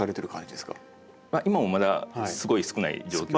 今もまだすごい少ない状況です。